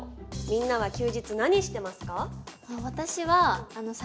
みんなは休日何してますか？